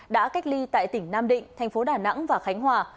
đã cách ly tại tỉnh nam định thành phố đà nẵng và khánh hòa